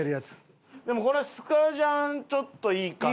でもこれスカジャンちょっといいかな。